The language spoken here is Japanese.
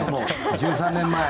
１３年前。